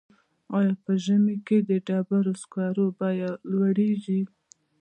آیا په ژمي کې د ډبرو سکرو بیه لوړیږي؟